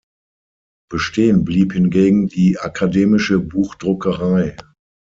Bestehen blieb hingegen die akademische Buchdruckerei.